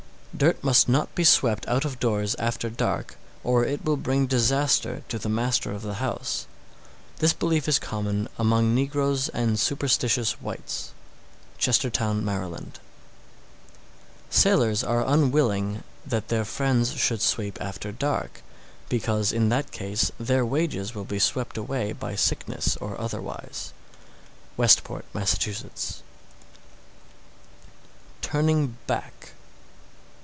_ 654. Dirt must not be swept out of doors after dark, or it will bring disaster to the master of the house. This belief is common among negroes and superstitious whites. Chestertown, Md. 655. Sailors are unwilling that their friends should sweep after dark, because in that case their wages will be swept away by sickness or otherwise. Westport, Mass. TURNING BACK.